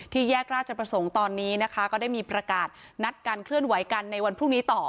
แยกราชประสงค์ตอนนี้นะคะก็ได้มีประกาศนัดการเคลื่อนไหวกันในวันพรุ่งนี้ต่อ